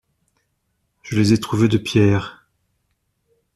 Je les ai trouvés de pierre.